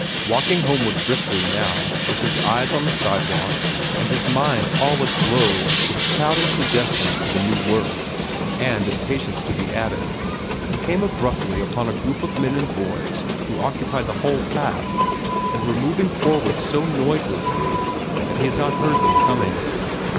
Walking homeward briskly now, with his eyes on the sidewalk and his mind all aglow with crowding suggestions for the new work, and impatience to be at it, he came abruptly upon a group of men and boys who occupied the whole path, and were moving forward so noiselessly that he had not heard them coming.